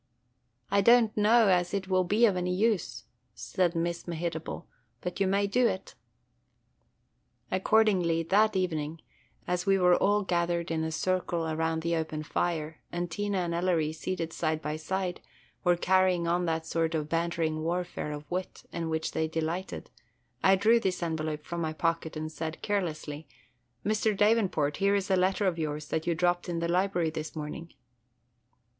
"I don't know as it will be of any use," said Miss Mehitable, 'but you may do it." Accordingly, that evening, as we were all gathered in a circle around the open fire, and Tina and Ellery, seated side by side, were carrying on that sort of bantering warfare of wit in which they delighted, I drew this envelope from my pocket and said, carelessly, "Mr. Davenport, here is a letter of yours that you dropped in the library this morning."